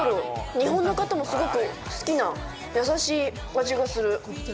日本の方もすごく好きな、やさしい味がする。